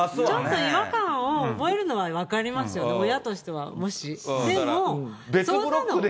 ちょっと違和感を覚えるのは分かりますよ、親としては、もし。